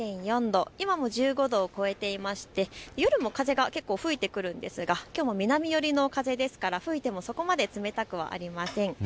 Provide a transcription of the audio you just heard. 今も１５度を超えていまして風が結構、吹いてくるんですがきょうも南寄りの風ですから吹いてもそこまで冷たくありません。